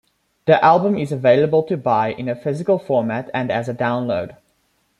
The album is available to buy in a physical format and as a download.